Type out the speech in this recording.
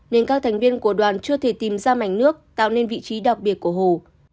nên các thành viên của đoàn chưa thể tìm ra mảnh nước tạo nên vị trí đặc biệt của hồ